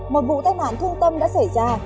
một vụ tai nạn thương tâm đã xảy ra